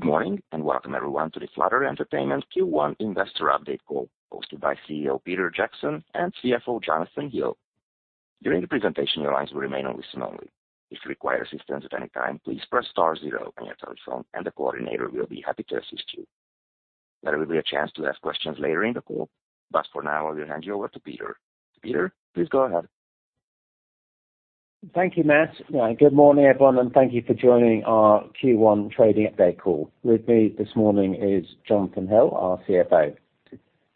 Good morning, and welcome everyone to the Flutter Entertainment Q1 investor update call hosted by CEO Peter Jackson and CFO Jonathan Hill. During the presentation, your lines will remain on listen only. If you require assistance at any time, please press star zero on your telephone, and the coordinator will be happy to assist you. There will be a chance to ask questions later in the call, but for now I will hand you over to Peter. Peter, please go ahead. Thank you, Matt. Good morning, everyone, and thank you for joining our Q1 trading update call. With me this morning is Jonathan Hill, our CFO.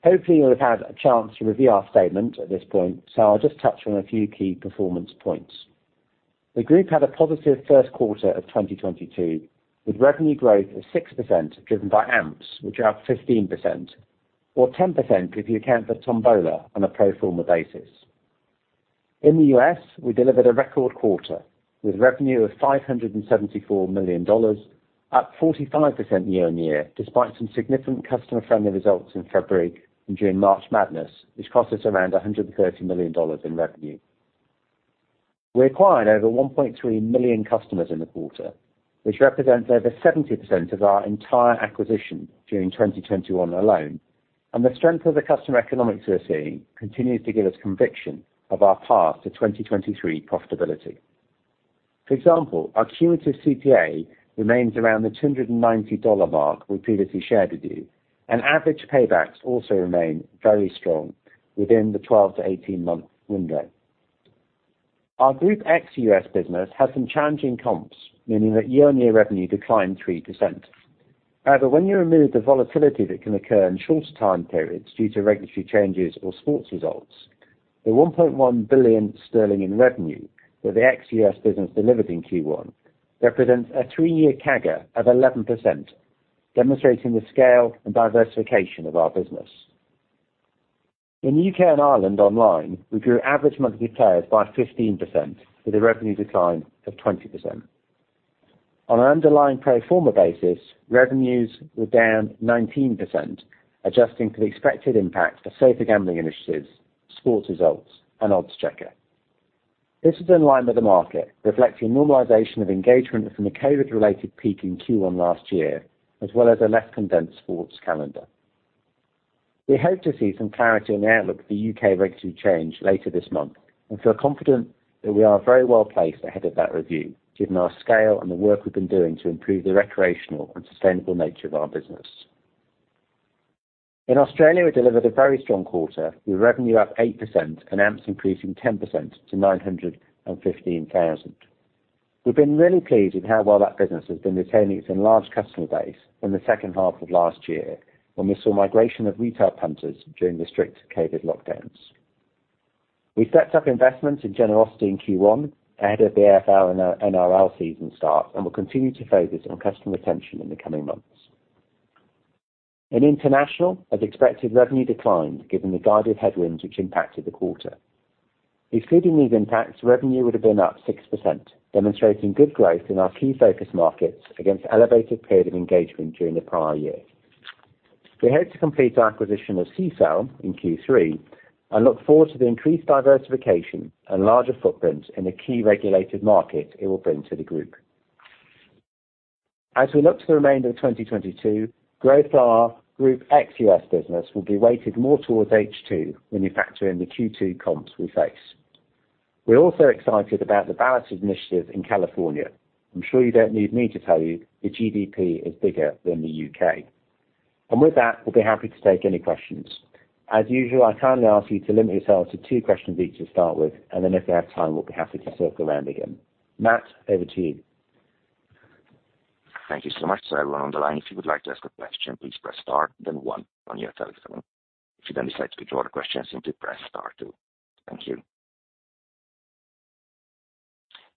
Hopefully you'll have had a chance to review our statement at this point, so I'll just touch on a few key performance points. The group had a positive first quarter of 2022, with revenue growth of 6% driven by AMPs, which are up 15% or 10% if you account for Tombola on a pro forma basis. In the US, we delivered a record quarter with revenue of $574 million, up 45% year-on-year, despite some significant customer friendly results in February and during March Madness, which cost us around $130 million in revenue. We acquired over 1.3 million customers in the quarter, which represents over 70% of our entire acquisition during 2021 alone, and the strength of the customer economics we're seeing continues to give us conviction of our path to 2023 profitability. For example, our cumulative CPA remains around the $290 mark we previously shared with you, and average paybacks also remain very strong within the 12-18-month window. Our group ex-US business had some challenging comps, meaning that year-on-year revenue declined 3%. However, when you remove the volatility that can occur in shorter time periods due to regulatory changes or sports results, the 1.1 billion sterling in revenue that the ex-US business delivered in Q1 represents a three year CAGR of 11%, demonstrating the scale and diversification of our business. In UK and Ireland Online, we grew average monthly players by 15% with a revenue decline of 20%. On an underlying pro forma basis, revenues were down 19%, adjusting for the expected impact of safer gambling initiatives, sports results, and Oddschecker. This is in line with the market, reflecting normalization of engagement from the COVID-related peak in Q1 last year, as well as a less condensed sports calendar. We hope to see some clarity on the outlook for UK regulatory change later this month and feel confident that we are very well placed ahead of that review, given our scale and the work we've been doing to improve the recreational and sustainable nature of our business. In Australia, we delivered a very strong quarter with revenue up 8% and AMPs increasing 10% to 915,000. We've been really pleased with how well that business has been retaining its enlarged customer base in the second half of last year when we saw migration of retail punters during the strict COVID lockdowns. We stepped up investments in generosity in Q1 ahead of the AFL and NRL season start, and will continue to focus on customer retention in the coming months. In international, as expected, revenue declined given the guided headwinds which impacted the quarter. Excluding these impacts, revenue would have been up 6%, demonstrating good growth in our key focus markets against elevated period of engagement during the prior year. We hope to complete our acquisition of Sisal in Q3 and look forward to the increased diversification and larger footprint in the key regulated market it will bring to the group. As we look to the remainder of 2022, growth of our group ex-US business will be weighted more towards H2 when you factor in the Q2 comps we face. We're also excited about the ballot initiative in California. I'm sure you don't need me to tell you the GDP is bigger than the U.K. With that, we'll be happy to take any questions. As usual, I kindly ask you to limit yourself to two questions each to start with, and then if we have time, we'll be happy to circle around again. Matt, over to you. Thank you so much. Everyone on the line, if you would like to ask a question, please press star then one on your telephone. If you then decide to withdraw the question, simply press star two. Thank you.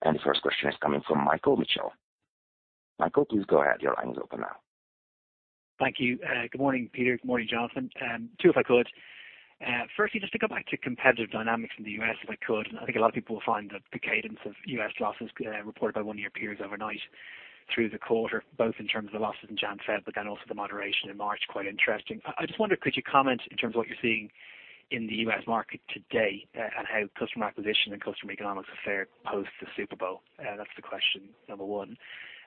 The first question is coming from Mike Hickey. Mike, please go ahead. Your line is open now. Thank you. Good morning, Peter. Good morning, Jonathan. Two, if I could. Firstly, just to go back to competitive dynamics in the US, if I could, I think a lot of people will find that the cadence of U.S. losses reported by one of your peers overnight through the quarter, both in terms of the losses in January, February, but then also the moderation in March, quite interesting. I just wonder, could you comment in terms of what you're seeing in the U.S. market today, and how customer acquisition and customer economics are faring post the Super Bowl. That's the question number one.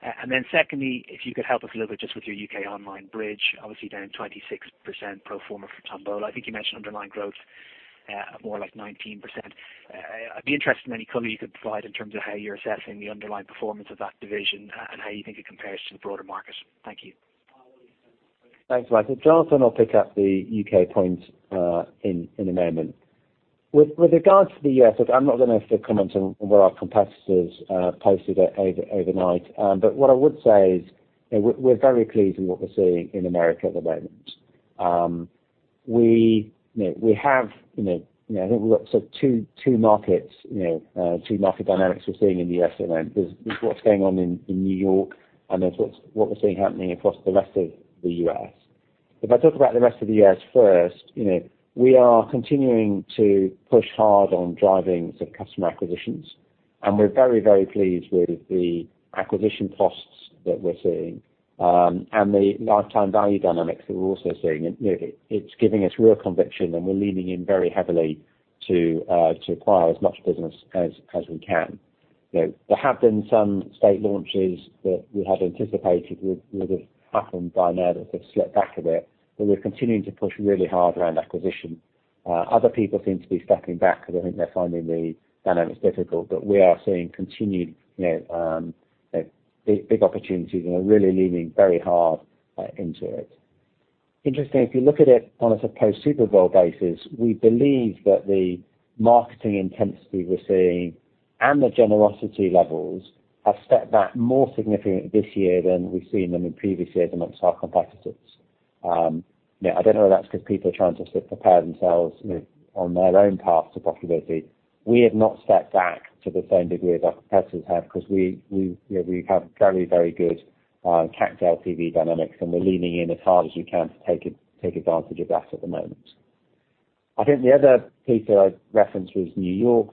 And then secondly, if you could help us a little bit just with your UK online bridge, obviously down 26% pro forma for Tombola. I think you mentioned underlying growth more like 19%. I'd be interested in any color you could provide in terms of how you're assessing the underlying performance of that division and how you think it compares to the broader market. Thank you. Thanks, Mike. Jonathan will pick up the UK point in a moment. With regards to the U.S., look, I'm not gonna comment on what our competitors posted overnight. What I would say is, you know, we're very pleased with what we're seeing in America at the moment. We have, you know, I think we've got sort of two market dynamics we're seeing in the U.S. at the moment. There's what's going on in New York, and there's what we're seeing happening across the rest of the U.S. If I talk about the rest of the U.S. first, you know, we are continuing to push hard on driving sort of customer acquisitions, and we're very, very pleased with the acquisition costs that we're seeing, and the lifetime value dynamics that we're also seeing. You know, it's giving us real conviction, and we're leaning in very heavily to acquire as much business as we can. You know, there have been some state launches that we had anticipated would have happened by now that have slipped back a bit, but we're continuing to push really hard around acquisition. Other people seem to be stepping back because I think they're finding the dynamics difficult, but we are seeing continued big opportunities and are really leaning very hard into it. Interesting, if you look at it on a supposed Super Bowl basis, we believe that the marketing intensity we're seeing and the generosity levels have stepped back more significant this year than we've seen them in previous years among our competitors. You know, I don't know if that's because people are trying to sort of prepare themselves, you know, on their own path to profitability. We have not stepped back to the same degree as our competitors have because we you know we have very, very good capped LTV dynamics, and we're leaning in as hard as we can to take advantage of that at the moment. I think the other piece that I referenced was New York,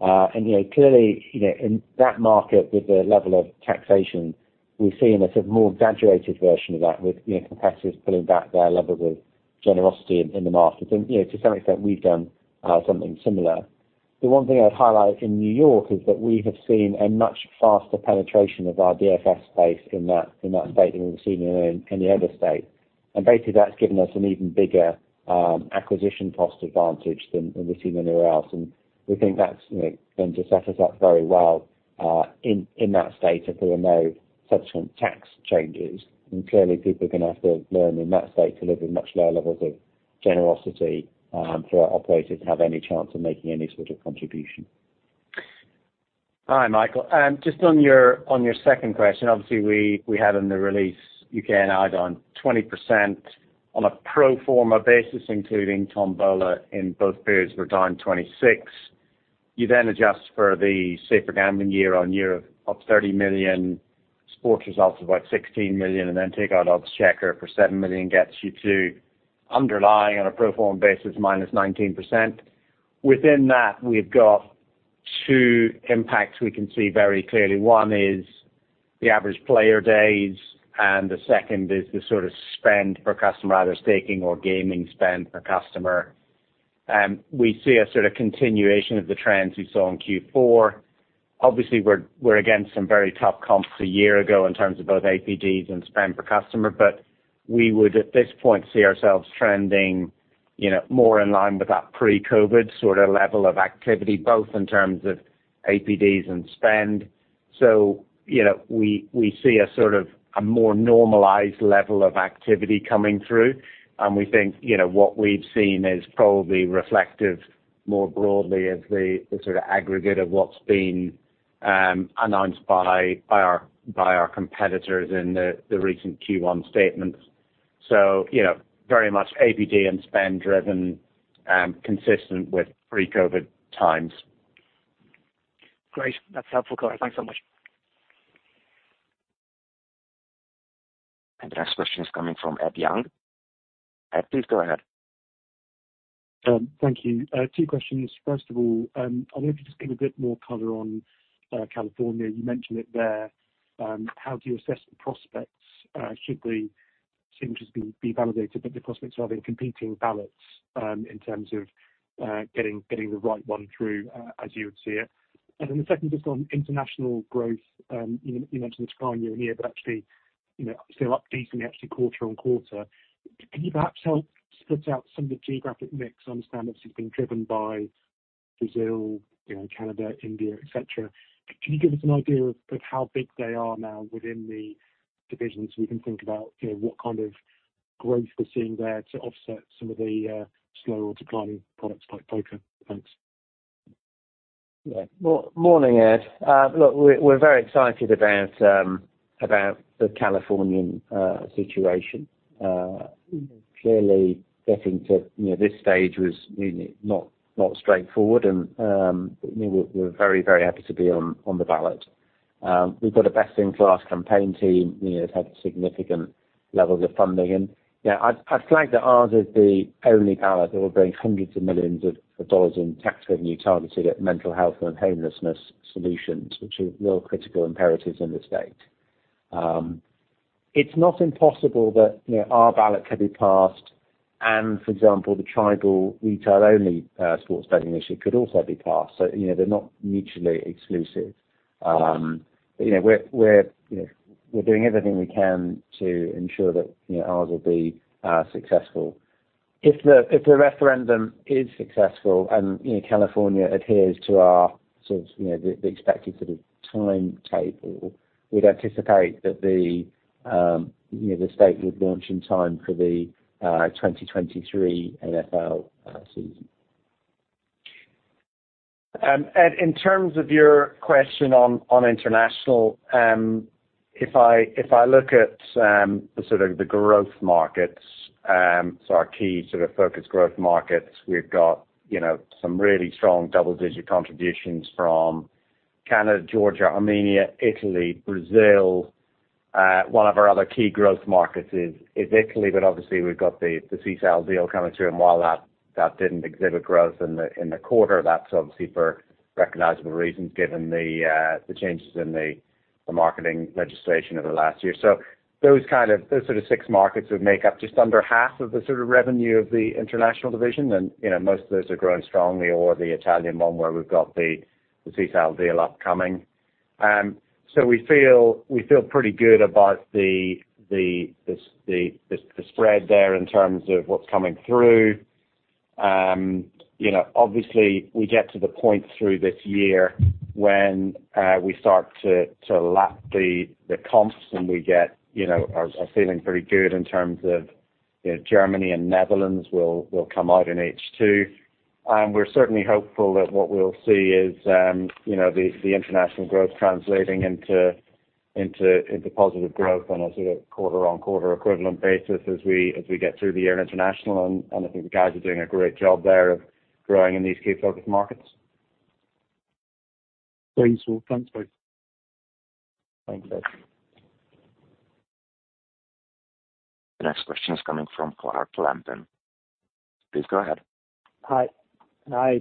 and you know, clearly, you know, in that market with the level of taxation, we've seen a sort of more exaggerated version of that with you know, competitors pulling back their level of generosity in the market. You know, to some extent we've done something similar. The one thing I'd highlight in New York is that we have seen a much faster penetration of our DFS base in that state than we've seen in any other state. Basically, that's given us an even bigger acquisition cost advantage than we've seen anywhere else. We think that's, you know, going to set us up very well in that state if there are no subsequent tax changes. Clearly people are gonna have to learn in that state to live with much lower levels of generosity, for our operators to have any chance of making any sort of contribution. Hi, Mike. Just on your second question, obviously we have in the release, you can add on 20% on a pro forma basis, including Tombola in both periods we're down 26%. You then adjust for the safer gambling year-on-year of 30 million, sports results of about 16 million, and then take out Oddschecker for 7 million gets you to underlying on a pro forma basis -19%. Within that, we've got two impacts we can see very clearly. One is the average player days, and the second is the sort of spend per customer, either staking or gaming spend per customer. We see a sort of continuation of the trends we saw in Q4. Obviously, we're against some very tough comps a year ago in terms of both APDs and spend per customer, but we would at this point see ourselves trending, you know, more in line with that pre-COVID sort of level of activity, both in terms of APDs and spend. You know, we see a sort of a more normalized level of activity coming through, and we think, you know, what we've seen is probably reflective more broadly of the sort of aggregate of what's been announced by our competitors in the recent Q1 statements. You know, very much APD and spend driven, consistent with pre-COVID times. Great. That's helpful, Jonathan Hill. Thanks so much. The next question is coming from Ed Young. Ed, please go ahead. Thank you. Two questions. First of all, I wonder if you could give a bit more color on California. You mentioned it there. How do you assess the prospects should the signatures be validated, but the prospects are there competing ballots in terms of getting the right one through as you would see it. The second, just on international growth, you know, you mentioned it's growing year on year, but actually, you know, still up decently actually quarter on quarter. Can you perhaps help split out some of the geographic mix? I understand this has been driven by Brazil, you know, Canada, India, et cetera. Can you give us an idea of how big they are now within the divisions, so we can think about, you know, what kind of growth we're seeing there to offset some of the slower declining products like poker? Thanks. Morning, Ed. Look, we're very excited about the Californian situation. Clearly getting to this stage was not straightforward, and you know, we're very happy to be on the ballot. We've got a best-in-class campaign team that's had significant levels of funding. You know, I'd flag that ours is the only ballot that will bring $hundreds of millions in tax revenue targeted at mental health and homelessness solutions, which are real critical imperatives in the state. It's not impossible that our ballot could be passed and, for example, the tribal retail-only sports betting issue could also be passed. You know, they're not mutually exclusive. We're doing everything we can to ensure that ours will be successful. If the referendum is successful and California adheres to our sort of the expected sort of timetable, we'd anticipate that the state would launch in time for the 2023 NFL season. Ed, in terms of your question on international, if I look at the sort of growth markets, our key sort of focus growth markets, we've got, you know, some really strong double-digit contributions from Canada, Georgia, Armenia, Italy, Brazil. One of our other key growth markets is Italy, but obviously we've got the Sisal deal coming through. While that didn't exhibit growth in the quarter, that's obviously for recognizable reasons given the changes in the The marketing legislation over the last year. Those sort of six markets would make up just under half of the sort of revenue of the international division. You know, most of those are growing strongly, or the Italian one where we've got the Sisal deal upcoming. We feel pretty good about the spread there in terms of what's coming through. You know, obviously we get to the point through this year when we start to lap the comps, and we get, you know, are feeling pretty good in terms of, you know, Germany and Netherlands will come out in H2. We're certainly hopeful that what we'll see is, you know, the international growth translating into positive growth on a sort of quarter-over-quarter equivalent basis as we get through the year in international. I think the guys are doing a great job there of growing in these key focus markets. Thanks, Pet. Thanks, both. Thanks, Ed. The next question is coming from Clark Lampen. Please go ahead. Hi.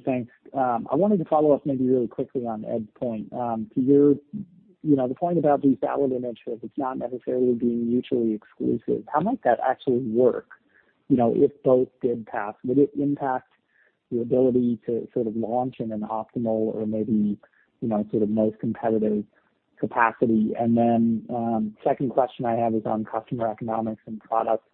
Thanks. I wanted to follow up maybe really quickly on Ed's point. You know, the point about these ballot initiatives, it's not necessarily being mutually exclusive. How might that actually work, you know, if both did pass? Would it impact your ability to sort of launch in an optimal or maybe, you know, sort of most competitive capacity? Second question I have is on customer economics and products.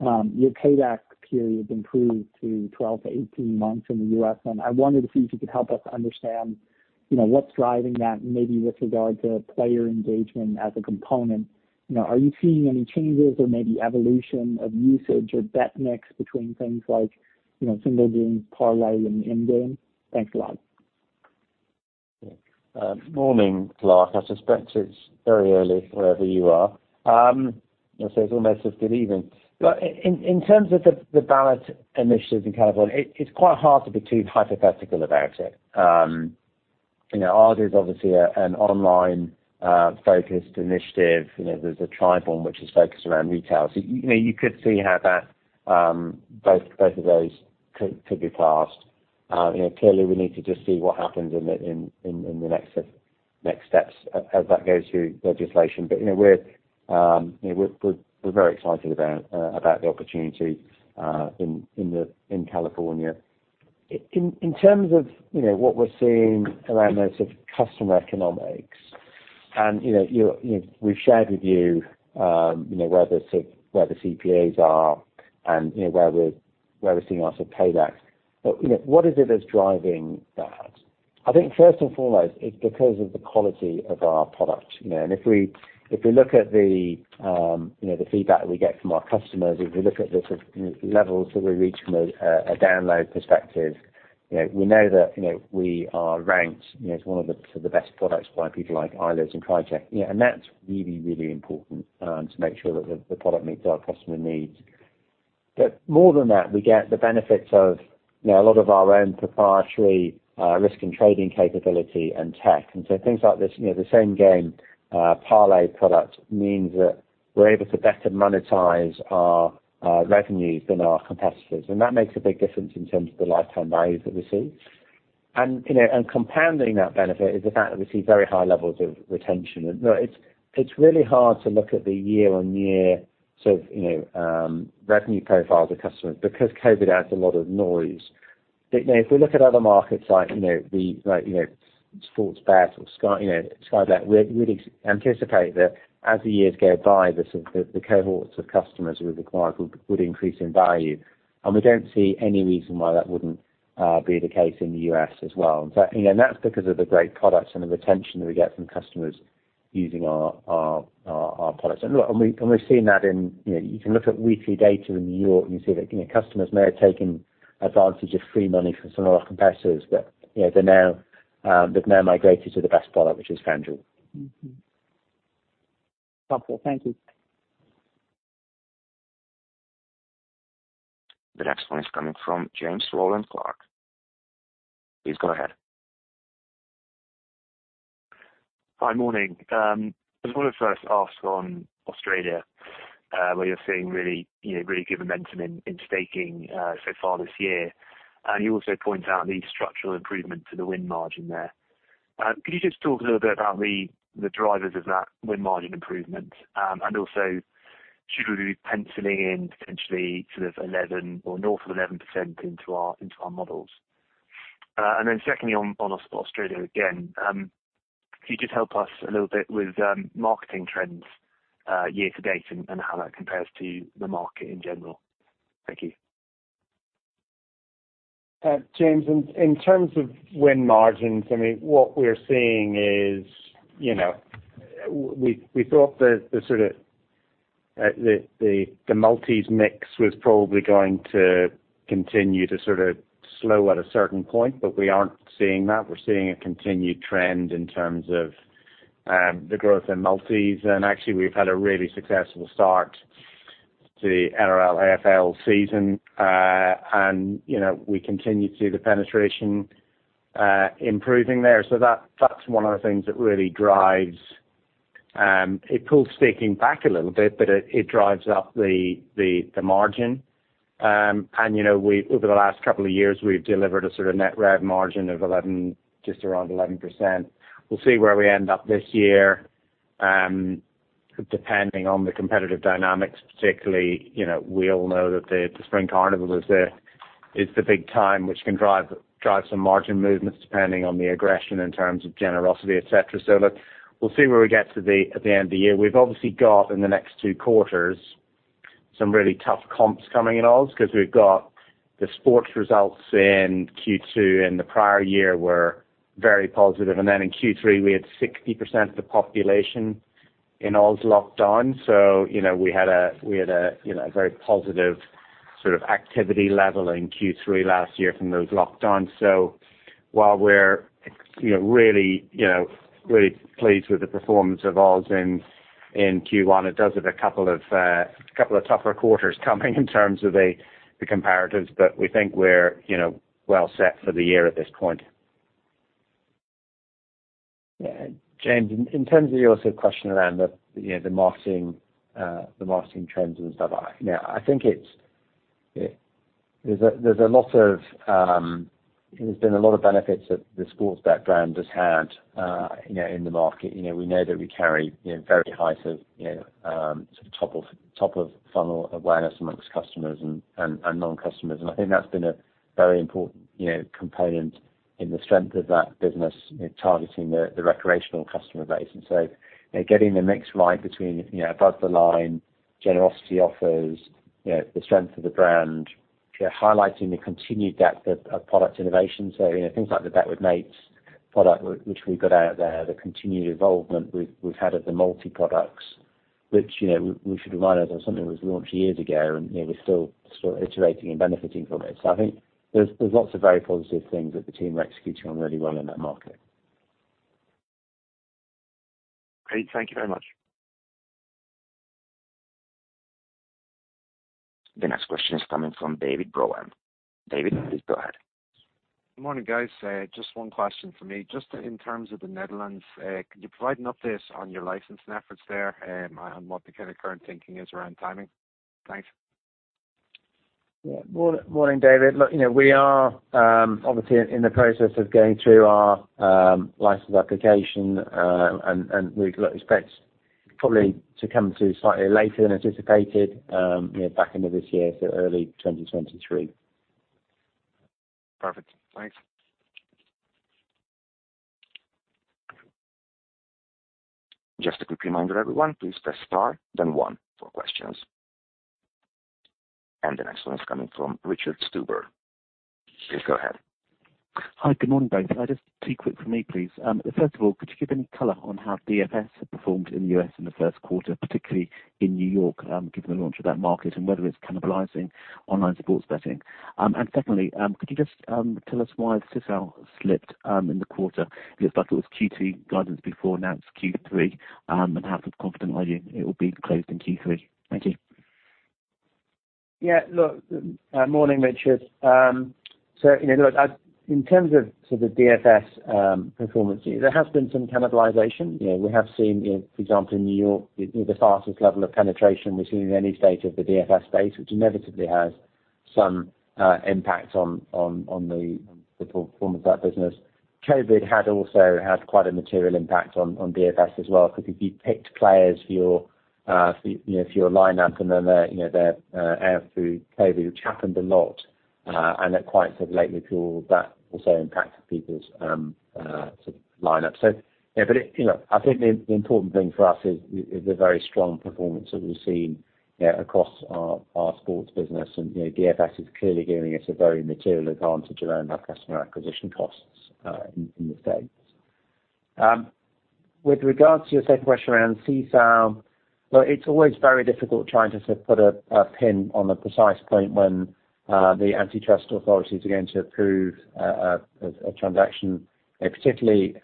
Your payback period improved to 12-18 months in the US, and I wanted to see if you could help us understand, you know, what's driving that, and maybe with regard to player engagement as a component. You know, are you seeing any changes or maybe evolution of usage or bet mix between things like, you know, Single Game Parlay and in-game? Thanks a lot. Morning, Clark. I suspect it's very early wherever you are. It's almost a good evening. In terms of the ballot initiatives in California, it's quite hard to be too hypothetical about it. You know, ours is obviously an online-focused initiative. You know, there's a tribal one which is focused around retail. You know, you could see how that both of those could be passed. You know, clearly we need to just see what happens in the next steps as that goes through legislation. You know, we're very excited about the opportunity in California. In terms of, you know, what we're seeing around those sort of customer economics and, you know, you're, you know, we've shared with you know, where the CPAs are and you know, where we're seeing our sort of paybacks, but, you know, what is it that's driving that? I think first and foremost, it's because of the quality of our product, you know. If we, if we look at the, you know, the feedback we get from our customers, if we look at the sort of levels that we reach from a download perspective, you know, we know that, you know, we are ranked, you know, as one of the, sort of best products by people like Eilers & Krejcik. You know, that's really, really important, to make sure that the product meets our customer needs. More than that, we get the benefits of, you know, a lot of our own proprietary risk and trading capability and tech. Things like this, you know, the Same Game Parlay product means that we're able to better monetize our revenues than our competitors. That makes a big difference in terms of the lifetime value that we see. You know, compounding that benefit is the fact that we see very high levels of retention. Look, it's really hard to look at the year-over-year sort of, you know, revenue profile of the customers because COVID adds a lot of noise. You know, if we look at other markets like, you know, the, like, you know, Sportsbet or Sky Bet, we'd anticipate that as the years go by, the sort of the cohorts of customers we've acquired would increase in value. We don't see any reason why that wouldn't be the case in the U.S. as well. You know, that's because of the great products and the retention that we get from customers using our products. Look, we're seeing that in, you know, you can look at weekly data in New York, and you see that, you know, customers may have taken advantage of free money from some of our competitors. You know, they're now, they've now migrated to the best product, which is FanDuel. Copy. Thank you. The next one is coming from James Rowland Clark. Please go ahead. Hi. Morning. I just wanna first ask on Australia, where you're seeing really, you know, really good momentum in staking so far this year. You also point out the structural improvement to the win margin there. Could you just talk a little bit about the drivers of that win margin improvement? And also should we be penciling in potentially sort of 11% or north of 11% into our models? Secondly, on Australia again, could you just help us a little bit with marketing trends year to date and how that compares to the market in general? Thank you. James, in terms of win margins, I mean, what we're seeing is, you know, we thought the sort of multis mix was probably going to continue to sort of slow at a certain point, but we aren't seeing that. We're seeing a continued trend in terms of the growth in multis. Actually, we've had a really successful start to the NRL and AFL season. You know, we continue to see the penetration improving there. That's one of the things that really drives. It pulls staking back a little bit, but it drives up the margin. You know, we over the last couple of years, we've delivered a sort of net rev margin of 11, just around 11%. We'll see where we end up this year, depending on the competitive dynamics, particularly, you know, we all know that the Spring Racing Carnival is the big time which can drive some margin movements depending on the aggression in terms of generosity, et cetera. Look, we'll see where we get to at the end of the year. We've obviously got in the next two quarters some really tough comps coming in Aus because we've got the sports results in Q2 and the prior year were very positive. Then in Q3, we had 60% of the population in Aus locked on. You know, we had a very positive sort of activity level in Q3 last year from those locked on. While we're, you know, really, you know, really pleased with the performance of Aus in Q1, it does have a couple of tougher quarters coming in terms of the comparatives, but we think we're, you know, well set for the year at this point. Yeah. James, in terms of your sort of question around the marketing trends and stuff like that. You know, I think there's been a lot of benefits that the sports background has had in the market. You know, we know that we carry very high sort of top of funnel awareness among customers and non-customers. I think that's been a very important component in the strength of that business in targeting the recreational customer base. Getting the mix right between above the line generosity offers, the strength of the brand, highlighting the continued depth of product innovation. You know, things like the Bet with Mates product which we've got out there, the continued involvement we've had of the multi-products, which, you know, we should remind us of something that was launched years ago and, you know, we're still sort of iterating and benefiting from it. I think there's lots of very positive things that the team are executing on really well in that market. Great. Thank you very much. The next question is coming from David Jennings. David, please go ahead. Morning, guys. Just one question for me. Just in terms of the Netherlands, can you provide an update on your licensing efforts there, and what the kind of current thinking is around timing? Thanks. Yeah. Morning, David. Look, you know, we are obviously in the process of going through our license application, and we expect probably to come to slightly later than anticipated, you know, back end of this year to early 2023. Perfect. Thanks. Just a quick reminder, everyone. Please press star then one for questions. The next one is coming from Richard Stuber. Please go ahead. Hi. Good morning, guys. Just two quick ones from me, please. First of all, could you give any color on how DFS has performed in the U.S. in the first quarter, particularly in New York, given the launch of that market and whether it's cannibalizing online sports betting? Secondly, could you just tell us why Sisal slipped in the quarter? Looks like it was Q2 guidance before announced Q3, and how confident are you it will be closed in Q3? Thank you. Yeah. Look, morning, Richard. So, you know, look, in terms of sort of DFS performance, there has been some cannibalization. You know, we have seen, for example, in New York, the fastest level of penetration we've seen in any state of the DFS space, which inevitably has some impact on the performance of that business. COVID had also had quite a material impact on DFS as well, because if you picked players for your, you know, for your lineup and then, you know, they're out through COVID, which happened a lot, and at quite sort of late withdrawal, that also impacted people's sort of lineup. Yeah, but you know, I think the important thing for us is the very strong performance that we've seen, you know, across our sports business. You know, DFS is clearly giving us a very material advantage around our customer acquisition costs in the States. With regards to your second question around Sisal, well, it's always very difficult trying to sort of put a pin on a precise point when the antitrust authorities are going to approve a transaction, particularly,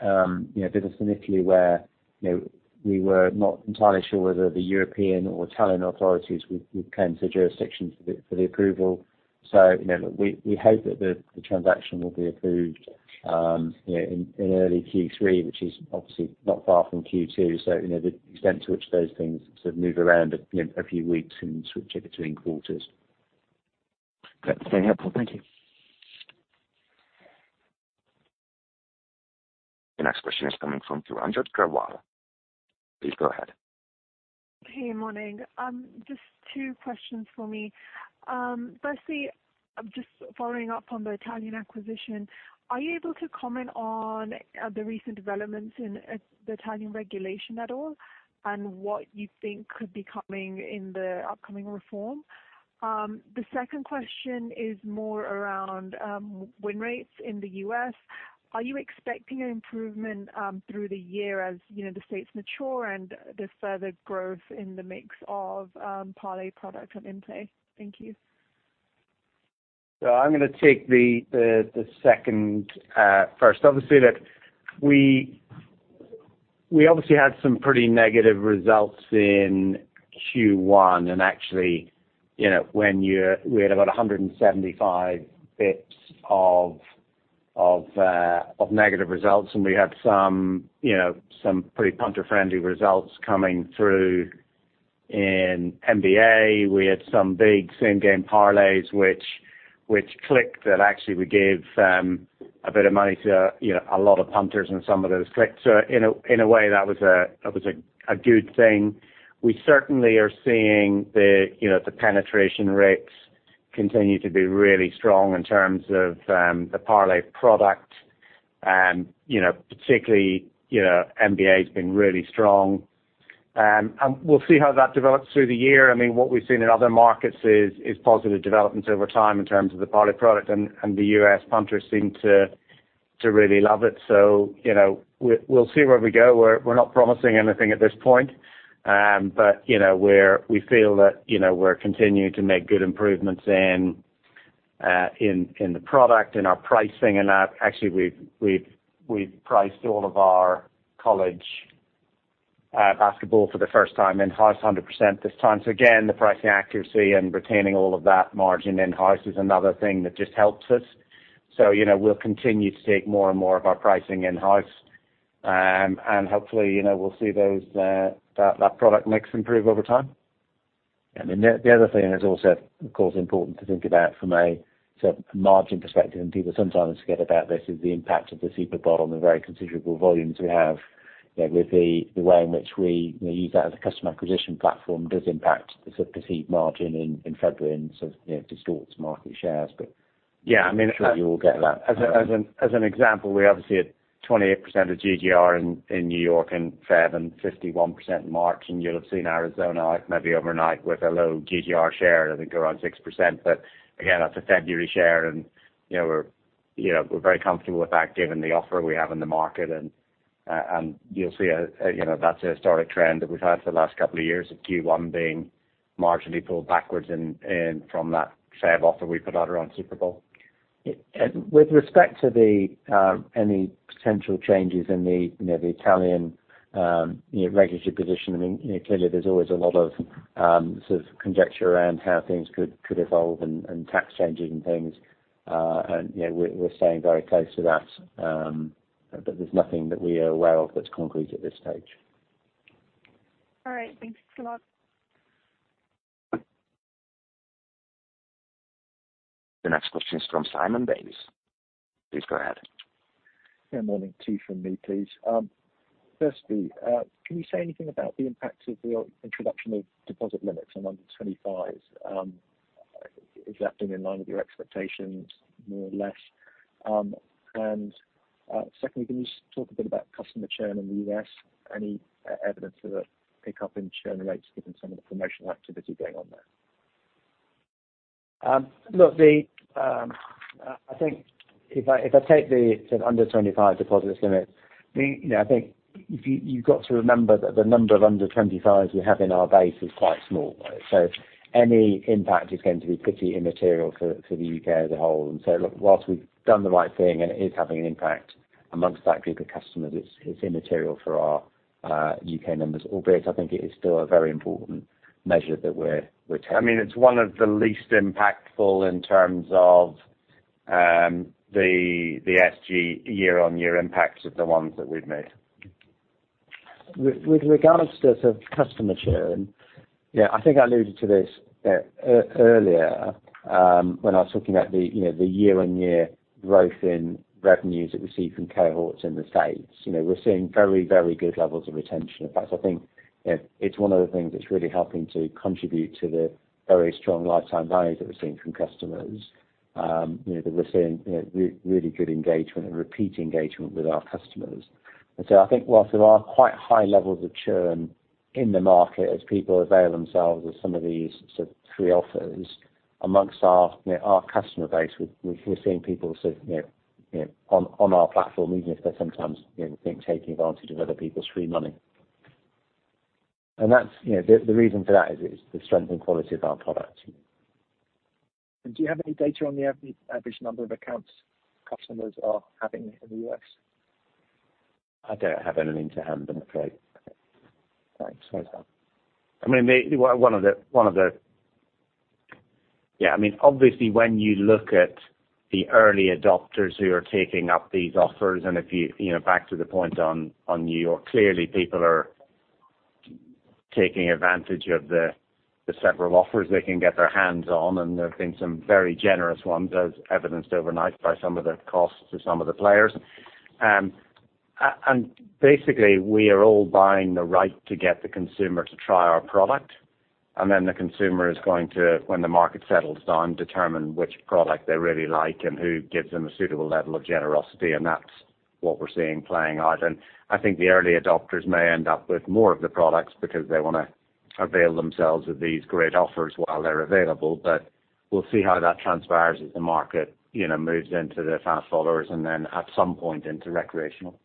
you know, business in Italy where, you know, we were not entirely sure whether the European or Italian authorities would claim the jurisdiction for the approval. You know, we hope that the transaction will be approved, you know, in early Q3, which is obviously not far from Q2. You know, the extent to which those things sort of move around, you know, a few weeks and switch it between quarters. Great. Very helpful. Thank you. The next question is coming from Estelle Weingrod. Please go ahead. Hey, morning. Just two questions for me. Firstly, just following up on the Italian acquisition, are you able to comment on the recent developments in the Italian regulation at all and what you think could be coming in the upcoming reform? The second question is more around win rates in the US. Are you expecting an improvement through the year as, you know, the states mature and there's further growth in the mix of parlay products on in-play? Thank you. I'm gonna take the second first. Obviously, look, we obviously had some pretty negative results in Q1. Actually, you know, we had about 175 bets of negative results and we have some, you know, some pretty punter-friendly results coming through in NBA. We had some big Same Game Parlays which clicked that actually we gave a bit of money to, you know, a lot of punters and some of those clicks. In a way that was a good thing. We certainly are seeing the, you know, the penetration rates continue to be really strong in terms of the parlay product. You know, particularly, you know, NBA has been really strong. We'll see how that develops through the year. I mean, what we've seen in other markets is positive developments over time in terms of the parlay product and the U.S. punters seem to really love it. You know, we'll see where we go. We're not promising anything at this point. But you know, we feel that, you know, we're continuing to make good improvements in the product, in our pricing, and that actually we've priced all of our college basketball for the first time in-house 100% this time. Again, the pricing accuracy and retaining all of that margin in-house is another thing that just helps us. You know, we'll continue to take more and more of our pricing in-house. Hopefully, you know, we'll see that product mix improve over time. Then the other thing is also of course important to think about from a certain margin perspective, and people sometimes forget about this, is the impact of the Super Bowl on the very considerable volumes we have. You know, with the way in which we, you know, use that as a customer acquisition platform does impact the sort of perceived margin in February and sort of, you know, distorts market shares, but. Yeah, I mean. I'm sure you all get that. As an example, we obviously had 28% of GGR in New York in February and 51% in March, and you'll have seen Arizona, like maybe overnight with a low GGR share, I think around 6%. But again, that's a February share and, you know, we're very comfortable with that given the offer we have in the market. You'll see, you know, that's a historic trend that we've had for the last couple of years of Q1 being marginally pulled backwards from that February offer we put out around Super Bowl. With respect to any potential changes in the, you know, the Italian, you know, regulatory position, I mean, you know, clearly there's always a lot of sort of conjecture around how things could evolve and tax changes and things. You know, we're staying very close to that. There's nothing that we are aware of that's concrete at this stage. All right. Thanks a lot. The next question is from Simon Davies. Please go ahead. Yeah, morning. two from me, please. Firstly, can you say anything about the impact of your introduction of deposit limits on under 25s? Is that been in line with your expectations, more or less? Secondly, can you just talk a bit about customer churn in the US, any evidence of a pickup in churn rates given some of the promotional activity going on there? Look, I think if I take the sort of under 25 deposits limit, you know, I think you've got to remember that the number of under 25s we have in our base is quite small. Any impact is going to be pretty immaterial for the UK as a whole. Look, while we've done the right thing and it is having an impact among that group of customers, it's immaterial for our UK numbers, albeit I think it is still a very important measure that we're. I mean, it's one of the least impactful in terms of, the SG year-over-year impacts of the ones that we've made. With regards to sort of customer churn, yeah, I think I alluded to this earlier, when I was talking about the year-on-year growth in revenues that we see from cohorts in the States. You know, we're seeing very good levels of retention. In fact, I think it's one of the things that's really helping to contribute to the very strong lifetime values that we're seeing from customers. You know, that we're seeing really good engagement and repeat engagement with our customers. I think while there are quite high levels of churn in the market as people avail themselves of some of these sort of free offers among our, you know, our customer base, we're seeing people sort of, you know, on our platform, even if they're sometimes, you know, then taking advantage of other people's free money. That's, you know, the reason for that is the strength and quality of our product. Do you have any data on the average number of accounts customers are having in the U.S.? I don't have anything to hand, I'm afraid. Thanks. Sorry for that. I mean, obviously when you look at the early adopters who are taking up these offers, and if you know, back to the point on New York, clearly people are taking advantage of the several offers they can get their hands on, and there have been some very generous ones as evidenced overnight by some of the costs to some of the players. Basically, we are all buying the right to get the consumer to try our product, and then the consumer is going to, when the market settles down, determine which product they really like and who gives them a suitable level of generosity, and that's what we're seeing playing out. I think the early adopters may end up with more of the products because they wanna avail themselves of these great offers while they're available. We'll see how that transpires as the market, you know, moves into the fast followers and then at some point into recreational.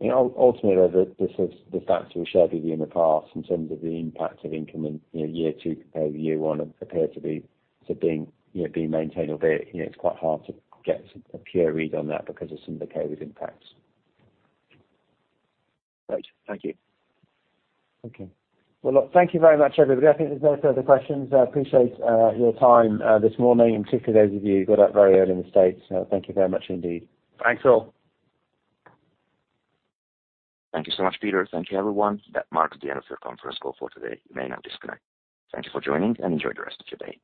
You know, ultimately, this is the fact we've shared with you in the past in terms of the impact of incremental, you know, year two compared with year one appear to be sort of being, you know, maintained a bit. You know, it's quite hard to get a clear read on that because of some of the COVID impacts. Great. Thank you. Okay. Well, look, thank you very much, everybody. I think there's no further questions. I appreciate your time this morning, and particularly those of you who got up very early in the States. Thank you very much indeed. Thanks, all. Thank you so much, Peter. Thank you, everyone. That marks the end of the conference call for today. You may now disconnect. Thank you for joining, and enjoy the rest of your day.